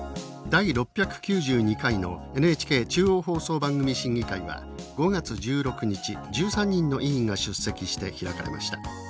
第６９２回のＮＨＫ中央放送番組審議会は５月１６日１３人の委員が出席して開かれました。